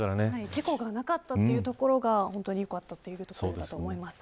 事故がなかったというところが本当によかったと思います。